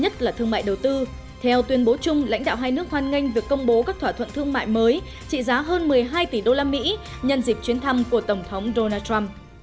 theo tuyên bố chung lãnh đạo hai nước hoan nghênh việc công bố các thỏa thuận thương mại mới trị giá hơn một mươi hai tỷ usd nhân dịp chuyến thăm của tổng thống donald trump